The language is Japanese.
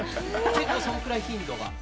そのくらい頻度が。